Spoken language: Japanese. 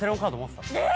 え